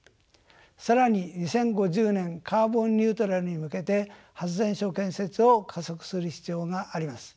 更に２０５０年カーボンニュートラルに向けて発電所建設を加速する必要があります。